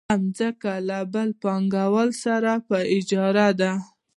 دا ځمکه له بل پانګوال سره په اجاره ده